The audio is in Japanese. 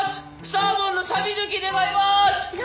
サーモンのさび抜き願います！